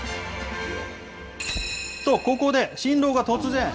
と、ここで新郎が突然。